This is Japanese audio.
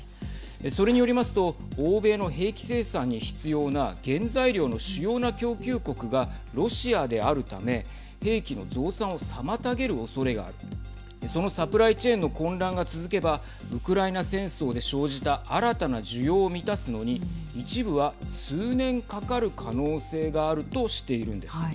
それによりますと欧米の兵器生産に必要な原材料の主要な供給国がロシアであるため兵器の増産を妨げるおそれがあるそのサプライチェーンの混乱が続けばウクライナ戦争で生じた新たな需要を満たすのに一部は数年かかる可能性があるとしているんです。